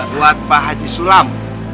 buat pak haji sulam